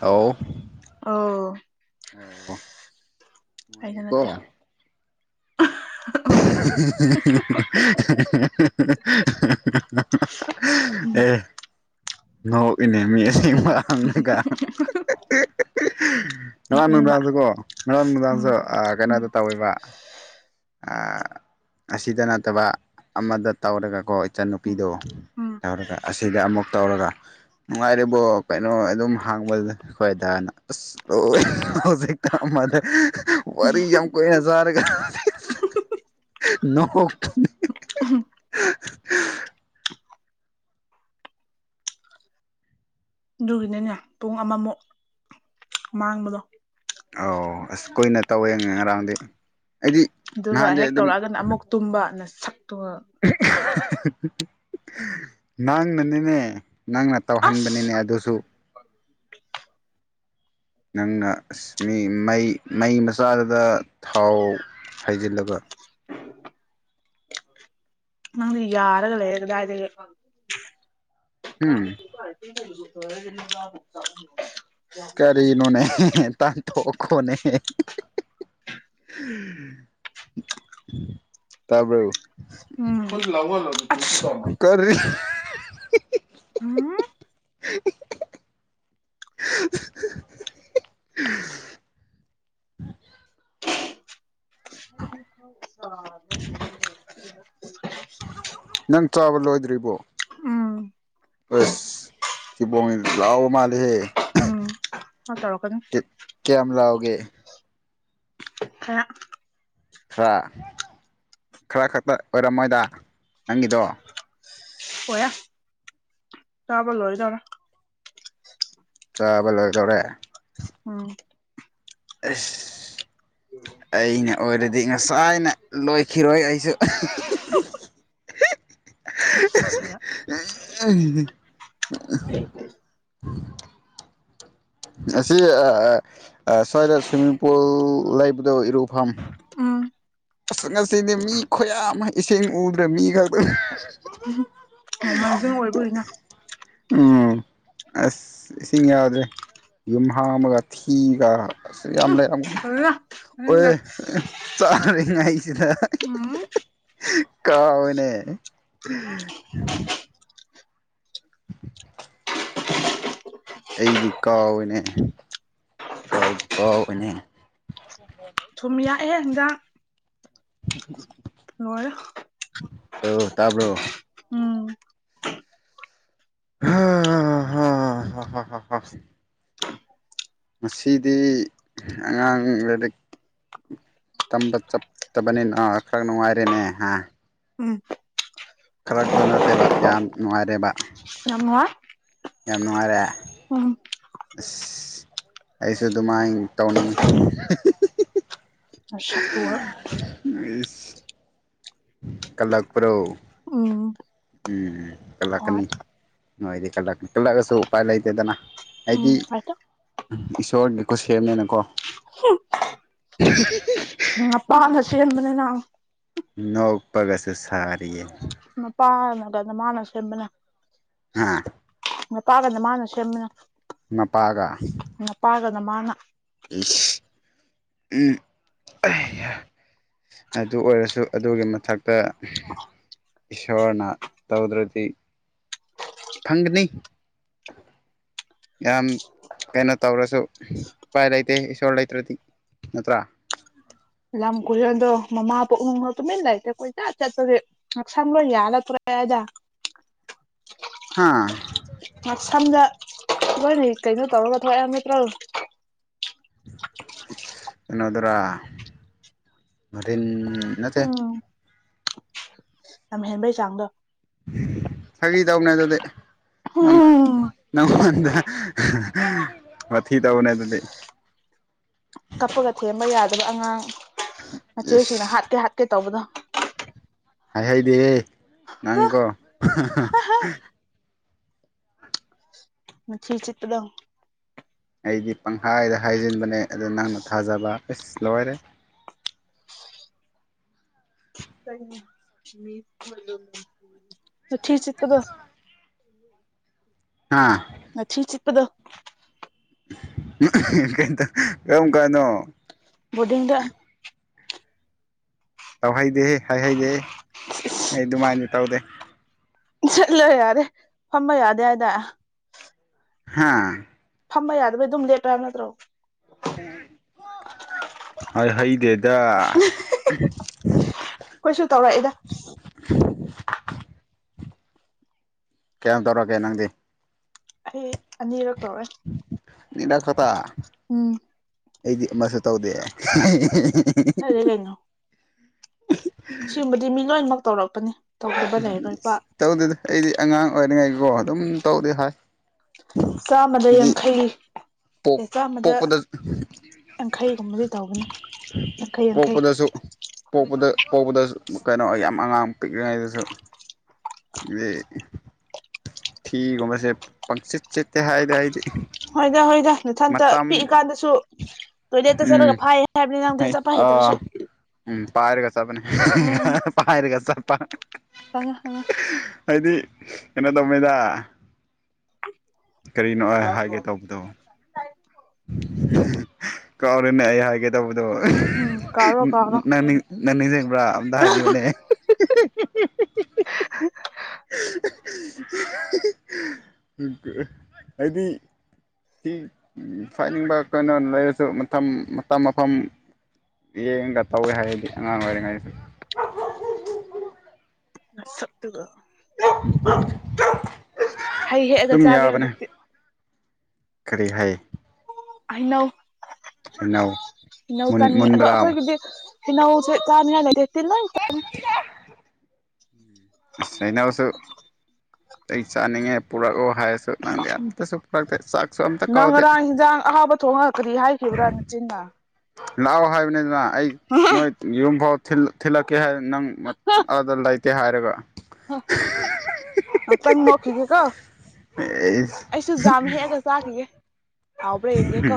ꯍꯥꯎ ꯑꯣ ꯑꯣ ꯑꯩꯗ ꯅꯠꯇꯦ ꯅꯨꯉꯥꯏꫪꯤꯕꫭ [unintelligible] [unintelligible] ꯑꯦ ꯅꯣꯛ ꯏꯅꯦꯃꯤ ꯑꯁ‌ꯦꯡꯕ ꯍꯪꯉꯒꯥ [unintelligible] ꯉꯔꯥꯡ ꯅꯣꯛꯅꯤꯡꯕ ꯅꯨꯡꯗꯥꯡꯁꯨ ꯀꯣ ꯉꯔꯥꯡ ꯎꯝ ꯅꯨꯡꯗꯥꯡꯁꯨ ꯎꯝ ꯑꯀꯩꯅꫭꯗꫭ ꯇꯧꯋꯦꯕ ꯑꯁꯤꯗ ꯅꯠꯇꯕ ꯑꯃꯗ ꯇꯧꯔꯒꯀꯣ ꯎꯝ ꯏꯆꯟꯅꯨꯄꯤꯗꯣ ꯎꯝ ꯇꯧꯔꯒ ꯑꯁꯤꯗ ꯑꯃꯨꯛ ꯇꯧꯔꯒ ꯅꯨꯡꯉꯥꯏꯔꯤꯕꯣ ꯀꯩꯅꯣ ꯑꯗꯨꯝ ꯍꯥꯡꯕꯗ ꯈꯣꯏꯗꯥꯅ ꯑꯁ ꯂꫭꯏ ꯍꯧꯖꯤꯛꯇ ꯑ ꯃꯗ ꯋꯥꯔꯤ ꯌꯥꯝ ꯀꯣꯏꯅ ꯁꫪꯒꯥ ꯅꫭꯄ [unintelligible] ꯑꯗꯨꯒꯤꯅꯅꯦ ꯄꯨꯡ ꯑꯃꯃꯨꯛ ꯃꯥꯡꯕꯗꯣ ꯑꯎ ꯑꯁ ꯀꯨꯏꯅ ꯇꯧꯋꯦꯉ‌ꯦ ꯉꯔꯥꯡꯗꯤ ꯑꯩꯗꯤ ꯑꯗꯨꯒ ꯅꯍꯥꯟꯗꯤ ꯍꯦꯛ ꯑꯗꯨꯝ ꯇꯧꯔꯛꯑꯒꯅ ꯑꯃꯨꯛ ꯇꯨꯝꯕ ꯅꯁꯛꯇꯨꯒ ꯅꯪꯅꯅꯤꯅꯦ ꯅꯪꯅ ꯇꯧꯍꯟꯕꯅꯤꯅꯦ ꯑꯁ ꯑꯗꯨꯁꯨ ꯅꯪꯅ ꯑꯁ ꯃꯤ ꯃꯩ ꯃꯩ ꯃꯆꯥꯗꯨꯗ ꯊꯥꯎ ꯍꯥꯖꯤꯜꯂꯕ [unintelligible] ꯅꯪꯗꯤ ꯌꯥꯔꯒ ꯂꯩꫪ ꯀꯗꯥꯏꯗꯒꯤ ꯎꯝ [unintelligible] ꯀꯔꯤꯅꯣꯅꯦ ꯇꯥꯟꯊꫭꯛꯈꯣꯅꯦ ꯇꯕꯔꫭ ꯎꯝ ꯑꯁ ꯀꫪꯥ ꯑꯝ [unintelligible] [unintelligible] ꯍꯣ [unintelligible] ꯅꯪ ꯆꯥꯕ ꯂꯣꯏꯗ꯭ꯔꯤꯕꯣ ꯑꯁ ꯊꯤꯕꯣꯡ ꯂꯥꯎꯕ ꯃꯥꯜꯂꯤꯍ‌ꯦ ꯎꯝ ꯇꯧꯔꯛꯀꯅꯤ ꯀꯤ ꯀꯌꯥꯝ ꯂꯥꯎꯒ‌ꯦ ꯍ ꯈꯔ ꯈꯔ ꯈꯛꯇ ꯑꯣꯏꯔꯝꯃꯣꯏꯗ ꯅꯪꯒꯤꯗꯣ ꯑꯣꯏ ꯆꯥꯕ ꯂꯣꯏꯗꯧꯔ ꯆꯥꯕ ꯂꯣꯏꯗꯧꯔꯦ ꯎꯝ ꯑꯦꯁ ꯑꯩꯅ ꯑꯣꯏꯔꯗꯤ ꯉꯁꯥꯏꯅ ꯂꯣꯏꯈꯤꯔꯣꯏ ꯑꯩꯁꯨ [unintelligible] [inaudible] [unintelligible] ꯑꯁꯤ ꯁ꯭ꯋꯥꯏꯗ ꯁ꯭ꯋꯤꯃꯤꯡ ꯄꯨꯜ ꯂꯩꯕꯗꯣ ꯏꯔꯨꯐꯝ ꯎꯝ ꯑꯁ ꯉꯁꯤꯗꯤ ꯃꯤ ꯈꯨꯌꯥ ꯑꯃ ꯏꯁꯤꯡ ꯎꯗ꯭ꯔꯦ ꯃꯤ ꯈꯛꯇꯅꯤ ꯅꯣꯡꯃꯥꯢꯖꯤꯡ ꯑꯣꯏꯕꯒꯤꯅꯦ ꯎꯝ ꯑꯁ ꯏꯁꯤꯡ ꯌꯥꯎꯗ꯭ꯔꯦ ꯌꯨꯝ ꯍꯥ ꯑꯃꯒ ꯊꯤꯒ ꯌꯥꯝꯂ ꯇꯝꯅꯤ ꯑꯗꯨꯅ ꯑꯣꯌꯦ ꯅꯪꯒ ꯆꯥꯔꯤꯉꯩꯁꯤꯗ ꯎꯝ ꯀꯥꯎꯏꯅꯦ [inaudible] ꯑꯩꯗꯤ ꯀꯥꯎꯏꯅꯦ ꯀꯥꯎ ꯀꯥꯎꯋꯦꯅꯦ ꯊꯨꯝ ꯌꯥꯛꯑꯦ ꯍꯟꯖꯥꯡ ꯎ ꯂꯣꯏ ꯑꯣ ꯇꯥꯕ꯭ꯔꯣ ꯎꯝ ꯍ ꯍꯥ ꯍꯥ ꯍꯥ ꯍꯥ ꯉꯁꯤꯗꯤ ꯑꯉꯥꯡ ꯂꯥꯏꯔꯤꯛ ꯇꯝꯕ ꯆꯠꯇꯕꯅꯤꯅ ꯈꯔ ꯅꯨꯡꯉꯥꯏꯔꯤꯅꯦ ꯍꯥ ꯎꯝ ꯈꯔꯛꯇ ꯅꯠꯇꯦꯕ ꯌꯥꯝ ꯅꯨꯡꯉꯥꯏꯔꯦꯕ ꯌꯥꯝ ꯅꯨꯡꯉꯥꯏ ꯌꯥꯝꯅꯨꯡꯉꯔꯦ ꯎꯝ ꯑꯁ ꯑꯩꯁꯨ ꯑꯗꯨꯃꯥꯏꯅ ꯇꯧꯅꯤꯡꯉꯤ ꯅꯁꯛꯇꯨꯒ ꯀꯂꯛꯄ꯭ꯔꯣ ꯎꯝ ꯎꯝ ꯍꯣꯏ ꯀꯜꯂꯛꯀꯅꯤ ꯅꯣꯏꯗꯤ ꯀꯂꯛꯅꯤ ꯀꯜꯂꯛꯑꯁꯨ ꯎꯄꯥꯏ ꯂꯩꯇꯦꯗꯅ ꯎꯝ ꯑꯣꯏꯇꯣ ꯎꯝ ꯏꯁꯣꯔꯒꯤ ꯈꯨꯠꯁꯦꯝꯅꯦꯅꯀꯣ ꯎꯝ ꯅꯄꯥꯅ ꯁꯦꯝꯕꯅꯤꯅ ꯅꯣꯛꯄꯒꯁꯨ ꯁꯥꯔꯤꯌꯦ ꯃꯄꯥꯅꯒ ꯅꯃꯥꯅ ꯁꯦꯝꯕꯅ ꯍꯥꯥ ꯅꯄꯥꯒ ꯅꯃꯥꯒꯅ ꯁꯦꯝꯕꯅꯦ ꯃꯄꯥꯒ ꯅꯃꯥꯅ ꯏꯁ ꯎꯝ ꯑꯩ ꯍꯥ ꯑꯗꯨ ꯑꯣꯏꯔꯁꯨ ꯑꯗꯨꯒꯤ ꯃꯊꯛꯇ ꯏꯁꯣꯔꯅ ꯇꯧꯗ꯭ꯔꯗꯤ ꯐꯪꯒꯅꯤ ꯌꯥꯝ ꯀꯩꯅꯣ ꯇꯧꯔꯁꯨ ꯎꯄꯥꯏ ꯂꯩꯇꯦ ꯏꯁꯣꯔ ꯂꯩꯇ꯭ꯔꯗꯤ ꯅꯠꯇ꯭ꯔꯥ ꯂꯝ ꯀꯨꯏꯔꯗꯣ ꯃꯃꯥ ꯄꯣꯛꯅꯨꯡꯗ ꯇꯨꯃꯤꯟꯅ ꯂꯩꯇꯦ ꯀꯨꯏꯆꯠ ꯆꯠꯄꯒꯤ ꯉꯛꯁꯥꯡ ꯂꯣꯏ ꯌꯥꯜꯂ ꯇꯣꯔꯦ ꯍꯥ ꯃ ꯁꯝꯖ ꯍꯅꯤ ꯀꯩꯅꯣ ꯇꯧꯔ ꯑꯊ ꯑ ꯃ ꯇ꯭ꯔ ꯏꯩꯅꯣꯗꯔꯥꯟ ꯅꯠꯇꯦ ꯅꯝ ꯍꯦꯟꯕꯩ ꯆꯥꯡꯗꯣ ꯐ ꯇꯧꯅꯦ ꯑꯗꯨꯗꯤ ꯎꯝ ꯅꯪꯉꯣꯟꯗ ꯃꯊꯤ ꯇꯧꯅꯦ ꯑꯗꯨꯗꯤ ꯀꯞꯄꯒ ꯊꯦꯝꯕ ꯌꯥꯗꯕ ꯑꯉꯥꯡ ꯃꯆꯦꯁꯤꯡꯅ ꯏꯁ ꯍꯥꯠꯀꯦ ꯍꯥꯠꯀꯦ ꯇꯧꯕꯗꯣ ꯍꯥꯏ ꯍꯥꯏꯗꯦ ꯅꯪꯀꯣ ꯃꯆꯤꯜꯆꯇꯗ ꯑꯩꯗꯤ ꯄꯪꯈꯥꯏꯗ ꯍꯥꯏꯖꯤꯟꯕꯅꯦ ꯑꯗꯨ ꯅꯪꯅ ꯊꯥꯖꯕ ꯑꯁ ꯂꯣꯏꯔꯦ ꯆꯄꯗꯣ ꯍꯥꯥ ꯉ ꯁꯤ ꯆꯄꯗ ꯀ ꯀꯔꯝ ꯀꯥꯟꯅꯣ ꯕꯣꯗꯤꯡꯗ ꯇꯧꯍꯩꯗꯦ ꯍꯥꯏꯍꯩꯗꯦ ꯑꯩ ꯑꯗꯨꯃꯥꯏꯅ ꯇꯧꯗꯦ ꯆꯠꯂꯣ ꯌꯥꯔꯦ ꯐꯝꯕ ꯌꯥꯗꯦ ꯍꯥꯏꯗ ꯍꯥꯥ ꯐꯝꯕ ꯌꯥꯗꯕꯩ ꯑꯗꯨꯝ ꯂꯦꯠꯄ ꯍꯥꯏꯕ ꯅꯠꯇ꯭ꯔꯣ ꯍ ꯍꯩꯗꯦ ꯑ ꯑꯩꯈꯣꯏꯁꯨ ꯇꯧꯔꯛꯏꯗ ꯀꯌꯥꯝ ꯇꯧꯔꯒꯦ ꯅꯪꯗꯤ ꯑ ꯑꯅꯤꯔ ꯂꯤꯂ ꯈꯠꯇ ꯎꯝ ꯑꯩꯗꯤ ꯑꯃꯁꯨ ꯇꯧꯗꯦ ꯐꯔꯦ ꯀꯩꯅꯩꯅꯣ ꯁꯤꯒꯨꯝꯕꯗꯤ ꯃꯤ ꯂꯣꯏꯅꯃꯛ ꯇꯧꯔꯛꯄꯅꯤ ꯇꯧꯗꯕꯅꯦꯣꯏ ꯄ ꯑꯣꯣ ꯑꯗꯨꯝ ꯇꯧꯗꯤꯦ ꯍꯥꯏ ꯆꯥꯝꯃꯗ ꯑꯗꯨꯗꯤ ꯌꯥꯡꯈꯩ ꯄꯣꯛ ꯑꯦ ꯆꯥꯝꯃꯗ ꯄꯣꯛꯄꯗ ꯌꯥꯡꯈꯩꯒꯨꯝꯕꯗꯤ ꯇꯧꯕꯅꯦ ꯌꯥꯡꯈꯩ ꯌꯥꯡꯈꯩ ꯄꯣꯛꯄꯗꯁꯨ ꯄꯣꯛꯄꯗ ꯄꯗ ꯀꯩꯅꯣ ꯌꯥꯝ ꯑꯉꯥꯡ ꯄꯤꯛꯂꯤꯉꯩꯗꯁꯨ ꯍꯥꯏꯗꯤ ꯊ ꯑꯣ ꯃꯁꯦ ꯄꯪꯆ ꯆꯦ ꯍꯥꯏꯗ ꯍꯥꯏꯗꯤ ꯍꯣꯏꯗ ꯍꯣꯏꯗ ꯃꯊꯟꯇ ꯃꯇꯝ ꯄꯤꯛꯏꯀꯥꯟꯗꯁꯨ ꯇꯣꯏꯂꯦꯠꯇ ꯎꯝ ꯆꯠꯂꯒ ꯐ ꯍꯥꯏꯕ ꯅꯪ ꯍꯩ ꯆ ꯄꯍꯤ ꯇꯅ ꯁꯣ ꯑꯥ ꯎꯝ ꯄꯥꯏꯔꯒ ꯆꯄꯅꯦ ꯄꯔꯒ ꯆꯄ ꯈꯪꯉꯦ ꯈꯪꯉꯦ ꯍꯥꯏꯗꯤ ꯀꯩꯅꯣ ꯇꯧꯃꯦꯗ ꯀꯔꯤꯅꯣ ꯑꯩ ꯍꯥꯏꯒꯦ ꯇꯧꯕꯗꯣ ꯀꯥꯎꯔꯦꯅꯦ ꯑꯩ ꯍꯥꯏꯒꯦ ꯇꯧꯕꯗꯣ ꯎꯝ ꯀꯥꯎꯔꯣ ꯀꯥꯎꯔꯣ ꯅꯪ ꯅꯪ ꯅꯤꯡꯁꯤꯡꯡꯕ꯭ꯔꯥ ꯑꯝꯇ ꯍꯥꯏꯕꯤꯌꯨꯅꯦ [unintelligible] [unintelligible] ꯍꯥꯏꯗꯤ ꯁꯤꯤ ꯐꯥꯏꯅꯤꯡꯕ ꯀꯣꯏꯩꯅꯣ ꯂꯩꯔꯁꯨ ꯃꯇꯝ ꯃꯐꯝ ꯌꯦꯡꯒ ꯇꯧꯋꯦ ꯍꯥꯏꯔꯗꯤ ꯑꯉꯥꯡ ꯑꯣꯏꯔꯤꯉꯩꯁꯨ ꯑ ꯁꯠꯨꯒ ꯎ ꯍꯩ ꯍꯦꯛꯑꯒ ꯆꯥꯒꯦ ꯍꯧꯖꯤꯛꯇꯤ ꯀꯔꯤ ꯍꯥꯏ ꯍꯩꯅꯧ ꯍꯩꯅꯧ ꯍꯩꯅꯧ ꯃꯨꯟ ꯆꯥꯅꯤꯡꯉ ꯑꯗꯣ ꯃꯨꯟꯕ꯭ꯔꯥ ꯑꯩꯈꯣꯏꯒꯤꯗꯤ ꯅꯁꯨ ꯇꯥꯥꯟ ꯍꯗꯤ ꯏꯠꯇꯜ ꯅ ꯏ ꯩꯅ ꯑꯃꯁꯁꯨ ꯑꯩ ꯆꯥꯅꯤꯡꯉꯦ ꯄꯨꯔꯛꯑꯣ ꯍꯥꯏꯔꯁꯨ ꯅꯪꯗꯤ ꯑꯝꯇꯁꯨꯛꯇꯦ ꯅꯪ ꯉꯔꯥꯡ ꯍꯤꯟꯖꯥꯡ ꯑꯍꯥꯕ ꯊꯣꯛꯣꯡꯍꯂꯛꯀꯔꯤ ꯍꯥꯏꯈꯤꯕ꯭ꯔꯥ ꯅꯆꯤꯟꯅ ꯂꯥꯛꯑꯣ ꯍꯥꯏꯕꯅꯤ ꯑꯗꯨꯅ ꯑꯩ ꯅꯣꯏ ꯌꯨꯝꯐꯥꯎ ꯊꯤꯜꯂꯛꯀꯦ ꯍꯥꯏꯕ ꯅꯪ ꯑꯗ ꯂꯩꯇꯦ ꯍꯥꯏꯔꯒ ꯑ ꯇ ꯅꯈꯤꯒꯦꯀꯣ ꯑꯩꯗꯤ ꯑꯩꯁꯨ ꯖꯥꯝ ꯍꯦꯛꯑꯒ ꯆꯥꯈꯤꯒꯦ ꯍꯥꯎꯕ꯭ꯔꯥ ꯌꯦꯡꯒꯦ ꯀꯣ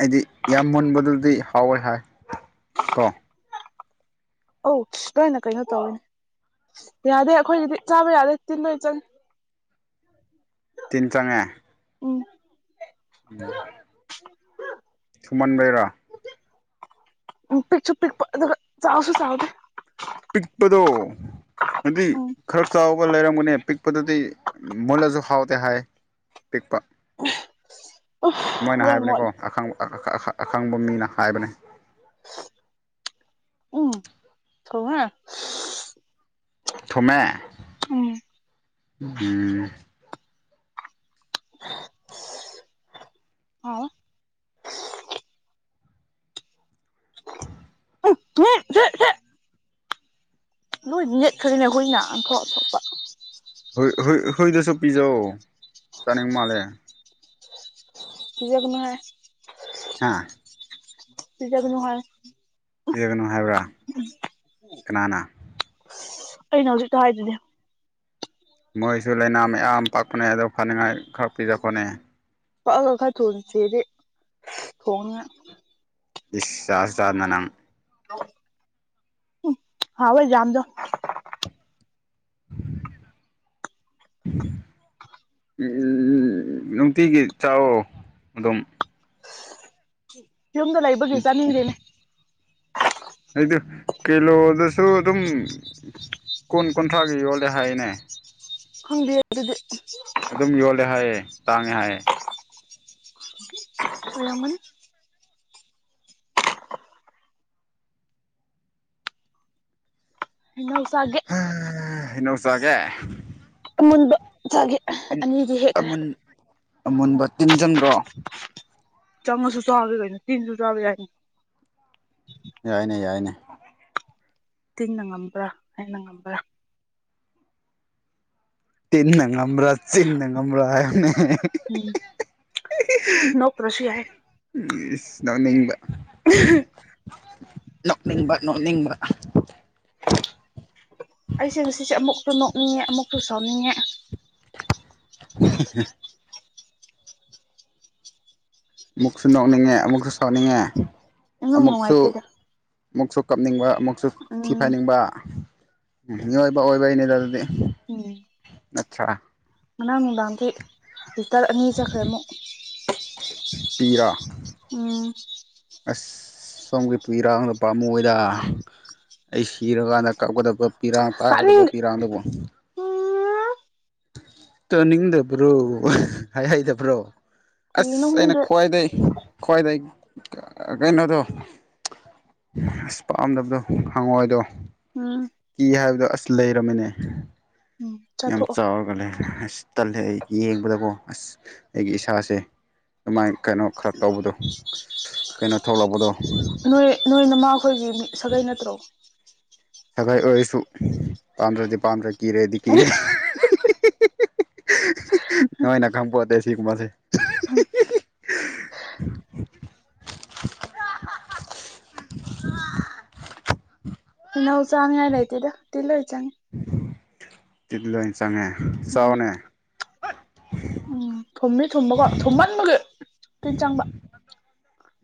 ꯑꯩꯗꯤ ꯌꯥꯝ ꯃꯨꯟꯕꯗꯨꯗꯤ ꯍꯥꯎꯋꯦ ꯍꯥꯏ ꯀꯣ ꯑꯧ ꯀꯩ ꯅ ꯀꯩ ꯅ ꯇꯧ ꯌꯥꯗꯦ ꯑꯩꯈꯣꯏꯒꯤꯗꯤ ꯆꯥꯕ ꯌꯥꯗꯦ ꯇꯤꯟꯕ ꯏꯆꯟ ꯇꯤꯟ ꯆꯪꯉꯦ ꯎꯝ ꯎꯝ ꯁꯨꯃꯟꯕꯦꯔꯥ ꯎ ꯄꯤꯛ ꯆꯨꯞ ꯄꯤꯛ ꯆꯥꯎꯁꯨ ꯆꯥꯎꯗ ꯄꯤꯄꯗꯣ ꯑꯗꯨꯗꯤ ꯎꯝ ꯈꯔ ꯆꯥꯎꯔꯒ ꯂꯩꯔꯝꯒꯅꯤ ꯄꯤꯛꯄꯗꯗꯤ ꯃꯨꯂꯁꯨ ꯍꯥꯎꯇꯦ ꯍꯥꯏ ꯇꯦꯛꯄ ꯔꯔꯃꯜ ꯍꯥꯏꯕꯅꯦꯀꯣ ꯑꯈꯪꯕ ꯑꯈꯪꯕ ꯃꯤꯅ ꯍꯥꯏꯕꯅꯤ ꯎꯝ ꯊꯍ ꯊꯃꯦ ꯎꯝ ꯑ [inaudible] [unintelligible] ꯊꯨꯡ ꯅꯣꯏ ꯃꯠ ꯁꯔꯤꯅ ꯍꯅ ꯑꯟꯊ ꯑꯊꯄ ꯊꯨꯗꯁꯨ ꯄꯤꯖꯧ ꯆꯥꯅꯤꯡ ꯃꯥꯜꯂꯦ ꯄ ꯌꯅ ꯍꯥꯥ [inaudible] [unintelligible] ꯇꯖꯒꯅꯨꯍ ꯌꯦꯒꯅꯨ ꯍꯥꯏꯕ꯭ꯔꯥ ꯀꯅꯥꯅ ꯑꯩꯅ ꯍꯧꯖꯤꯛꯇꯣ ꯍꯥꯏꯗꯨꯗꯤ ꯃꯣꯏꯁꯨ ꯂꯩꯥꯏꯅꯥ ꯑꯌꯥꯝ ꯄꯥꯛꯄꯅꯦ ꯑꯗꯨꯗ ꯐꯅꯤꯡꯉꯥꯏ ꯈꯔ ꯄꯤꯖꯈꯣꯠꯅꯦ ꯀ ꯀ ꯀꯥ ꯇꯣꯡꯅꯤꯁꯤꯦꯗꯤꯦ ꯇꯣꯡꯉ ꯁꯁꯥꯗꯅꯝ ꯍꯥꯎꯕꯣꯏ ꯌꯥꯝꯗ [inaudible] [unintelligible] ꯎꯝꯝ ꯅꯨꯡꯇꯤꯒꯤ ꯆꯥꯛꯣ ꯑꯗꯨꯝ ꯌꯨꯝꯗ ꯂꯩꯕꯒꯤ ꯆꯥꯅꯤꯡꯗꯦꯅꯦ ꯑꯗꯨ ꯀꯤꯂꯣꯗꯁꯨ ꯑꯗꯨꯝ ꯀꯨꯟ ꯀꯨꯟꯊ꯭ꯔꯥꯒꯤ ꯌꯣꯜꯂꯦ ꯍꯥꯏꯅꯦ ꯈꯪꯕꯤ ꯑꯗꯨꯗꯤ ꯑꯗꯨꯝ ꯌꯣꯜꯂꯦ ꯍꯥꯏꯌꯦꯦ ꯇꯥꯡꯉꯦ ꯍꯥꯏꯌꯦꯦ ꯔꯃꯟ ꯍꯜꯁꯦ ꯍꯅꯣꯁꯒꯦ ꯑꯃꯨꯟꯕ ꯆꯥꯒꯦ ꯑꯅꯤꯗꯤ ꯍꯦꯛꯈ꯭ꯔꯦ ꯑꯃꯨꯟ ꯑꯃꯨꯟꯕ ꯇꯤꯟꯁꯤꯟꯗ꯭ꯔꯣ ꯆꯃ ꯁꯣ ꯆꯣꯕꯒꯅ ꯇꯤꯟꯁꯨꯣ ꯆꯕ ꯌꯥꯅ ꯎ [inaudible] ꯇꯤꯡꯅ ꯉꯝꯕ꯭ꯔꯥ ꯍꯩꯅ ꯉꯝꯕ꯭ꯔꯥ ꯇꯤꯟꯅ ꯉꯝꯕꯔ ꯆꯤꯟꯅ ꯉꯝꯕꯔꯥ ꯍꯥꯏꯅꯦ꯫ ꯅꯣꯛꯇꯔꯁꯨ ꯌꯥꯏꯌꯦ꯫ ꯅꯣꯛꯅꯤꯡꯕ ꯅꯣꯛꯅꯤꯡꯕ ꯅꯣꯛꯅꯤꯡꯕ꯫ ꯑꯩꯁꯦ ꯉꯁꯤꯁꯦ ꯑꯃꯨꯛꯁꯨ ꯅꯣꯛ꯫ ꯃꯤ ꯑꯃꯨꯛꯁꯨ ꯁꯥꯎꯅꯤꯡꯉꯦ꯫ ꯑꯃꯨꯛꯁꯨ ꯅꯣꯛꯅꯤꯡꯉꯦ ꯑꯃꯨꯛꯁꯨ ꯁꯥꯎꯅꯤꯡꯉꯦ꯫ ꯏꯅꯨꯡ ꯑꯃꯨꯛꯁꯨ ꯅꯨꯡꯉꯥꯏꯇꯦꯗ꯫ ꯑꯃꯨꯛꯁꯨ ꯀꯞꯅꯤꯡꯕ ꯑꯃꯨꯛꯁꯨ ꯊꯤ ꯎꯝ ꯐꯥꯏꯅꯤꯡꯕ ꯃꯤꯑꯣꯏꯕ ꯑꯣꯏꯕꯩꯅꯤꯗ ꯑꯗꯨꯗꯤ꯫ ꯎꯝ꯫ ꯅꯠꯇ꯭ꯔ꯫ ꯉꯔꯥꯡ ꯅꯨꯡꯗꯥꯡꯗꯤ ꯂꯤꯇꯔ ꯑꯅꯤ ꯆꯠꯈ꯭ꯔꯦ ꯑꯃꯨꯛ꯫ ꯄꯤꯔꯥ꯫ ꯎꯝ꯫ ꯑꯁ ꯁꯣꯝꯒꯤ ꯁꯣꯝꯒꯤ ꯄꯤꯔꯥꯡꯄꯥꯝ ꯃꯤꯌꯦꯗ ꯫ ꯑꯩ ꯁꯤꯔꯀꯥꯟꯗ ꯀꯥꯀꯗꯕ ꯄꯤꯔꯥꯡ ꯇꯥꯒꯗꯕ ꯇꯥꯅꯤꯡ ꯄꯤꯔꯥꯡꯗꯨꯕꯨ꯫ ꯎꯝ ꯇꯥꯅꯤꯡꯗꯕ꯭ꯔꯣ ꯍꯥꯏ ꯍꯩꯗꯕ꯭ꯔꯣ꯫ ꯑꯁ ꯀꯔꯤꯅꯣ ꯑꯩꯅ ꯈꯪꯗꯦ ꯈ꯭ꯋꯥꯏꯗꯒꯤ ꯈ꯭ꯋꯥꯏꯗꯒꯤ ꯀꯩꯅꯣꯗꯣ꯫ ꯑꯁ ꯄꯥꯝꯗꯕꯗꯣ ꯍꯪꯉꯣꯏꯗꫭ ꯎꯝ ꯏ ꯍꯥꯏꯕꯗꯣ ꯑꯁ ꯂꯩꯔꯝꯃꯤꯅꯦ ꯎꯝ ꯌꯥꯝ ꯆꯥꯊꯣꯛꯑꯣ ꯆꯥꯎꯔꯒ ꯂꯩ ꯑꯁ ꯇꯜꯂꯦ ꯑꯩ ꯌꯦꯡꯕꯗꯀꯣ ꯑꯁ ꯑꯩꯒꯤ ꯏꯁꯥꯁ‌ꯦ ꯑꯗꯨꯃꯥꯏꯅ ꯀꯩꯅꯣ ꯈꯔ ꯇꯧꯕꯗꯣ ꯀꯩꯅꯣ ꯊꯣꯛꯂꯛꯄꯗꯣ꯫ ꯅꯣꯏ ꯅꯣꯏ ꯅꯥꯃ ꯑꯩꯈꯣꯏꯒꯤ ꯃꯤ ꯁꯥꯒꯩ ꯅꯠꯇ꯭ꯔꯣ꯫ ꯁꯒꯩ ꯑꯣꯏꯔꯁꯨ ꯄꯥꯝꯗ꯭ꯔꯗꯤ ꯄꯥꯝꯗ꯭ꯔꯦ ꯀꯤꯔꯦꯗꯤ ꯀꯤꯔꯦ ꯅꯣꯏꯅ ꯈꯪꯄꯣꯟꯇꯦ ꯁꯤꯀꯨꯝꯕꯁꯦ [unintelligible] ꯇꯤꯜꯍꯧ ꯆꯥꯅꯤꯉꯥꯏ ꯂꯩꯇꯦꯗ ꯇꯤꯟ ꯂꯣꯏ ꯆꯪꯉꯦ꯫ ꯇꯤꯟ ꯂꯣꯏ ꯆꯪꯉꯦ ꯎꯝ ꯆꯥꯎꯅꯦ ꯎꯝ ꯊꯨꯝꯃꯤ ꯊꯨꯝꯕꯀꯣ ꯊꯨꯝꯃꯟꯕꯒ ꯇꯤꯟ ꯆꯪꯕꯥ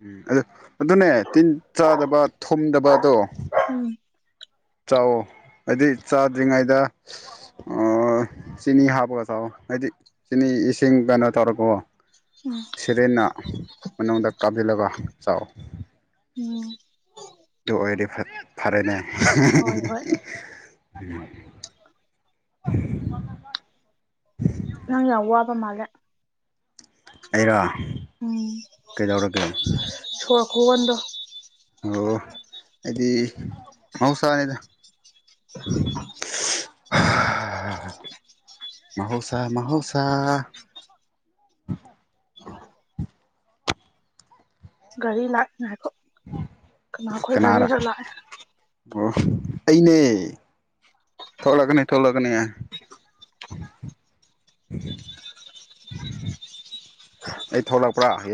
ꯎꯝ ꯑꯗꯨ ꯑꯗꯨꯅꯦ ꯇꯤꯟ ꯆꯥꯗꯕ ꯊꯣꯗꯕꯗꯣ꯫ ꯎꯝ ꯆꯥꯎꯑꯣ꯫ ꯍꯥꯏꯗꯤ ꯆꯥꯗ꯭ꯔꯤꯉꯩꯗ ꯆꯤꯅꯤ ꯍꯥꯞꯄꯒ ꯆꯥꯎꯑꯣ ꯍꯥꯏꯗꯤ ꯆꯤꯅꯤ ꯏꯁꯤꯡ ꯀꯩꯅꯣ ꯇꯧꯔꯛꯀꯣ꯫ ꯎꯝ ꯁꯦꯔꯦꯟꯅ ꯃꯅꯨꯡꯗ ꯀꯥꯞꯁꯤꯜꯂꯒ ꯆꯥꯎ꯫ ꯎꯝ꯫ ꯑꯗꯨ ꯑꯣꯏꯗꯤ ꯐꯔꯦꯅꯦ꯫ ꯍꯣꯏ ꯍꯣꯏ [unintelligible] ꯅꯪ ꯌꯥꯝ ꯋꯥꯕ ꯃꯥꯜꯂꯦ꯫ ꯑꯩꯔꯣ ꯎꯝ ꯀꯩꯗꯧꯔꯒꯦ ꯁꯣꯔ ꯈꯨꯍꯣꯟꯗꯣ ꯑꯣ ꯑꯩꯗꯤ ꯃꯍꯧꯁꯥꯅꯤꯗ [inaudible] ꯃꯍꯧꯁꯥ ꯃꯍꯧꯁꯥ ꯒꯔꯤ ꯂꯥꯛ ꯉꯥꯏꯈꯣ ꯀꯅꯥꯈꯣꯏ ꯀꯅꯥꯔ ꯒꯥꯔꯤꯔ ꯂꯥꯛꯑꯦ ꯑꯣ ꯑꯩꯅꯦ ꯊꯣꯛꯂꯛꯀꯅꯤ ꯊꯣꯛꯂꯛꯀꯅꯤ꯫ [inaudible] ꯑꯩ ꯊꯣꯛꯂꯛꯄ꯭ꯔꯥ